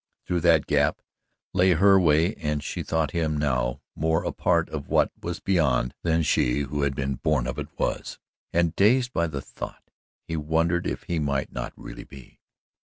Through that gap lay her way and she thought him now more a part of what was beyond than she who had been born of it was, and dazed by the thought, he wondered if he might not really be.